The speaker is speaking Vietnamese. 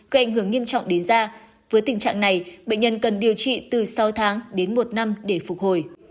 gây ảnh hưởng nghiêm trọng đến da với tình trạng này bệnh nhân cần điều trị từ sáu tháng đến một năm để phục hồi